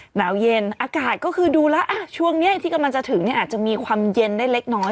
หนาวเย็นอากาศก็คือดูแล้วช่วงนี้ที่กำลังจะถึงเนี่ยอาจจะมีความเย็นได้เล็กน้อย